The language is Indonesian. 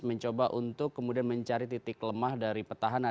mencoba untuk kemudian mencari titik lemah dari petahana